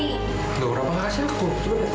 tidak ada apa apa kasih aku